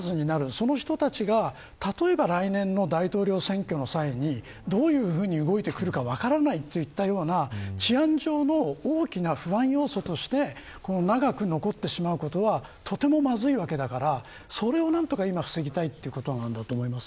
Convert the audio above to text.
その人たちが例えば、来年の大統領選挙の際にどう動いてくるか分からないといった治安上の大きな不安要素として長く残ってしまうことはとてもまずいわけだからそれを何とか防ぎたいということだと思います。